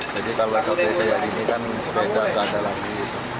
jadi kalau sate kayak gini kan beda berada lagi